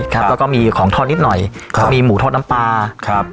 ครับแล้วก็มีของทอดนิดหน่อยครับก็มีหมูทอดน้ำปลาครับ